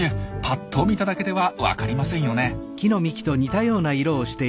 ぱっと見ただけでは分かりませんよね。